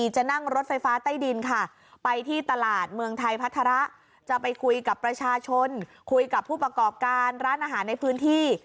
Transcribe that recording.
จะนั่งรถไฟฟ้าใต้ดินค่ะไปที่ตลาดเมืองไทยพัฒระจะไปคุยกับประชาชนคุยกับผู้ประกอบการร้านอาหารในพื้นที่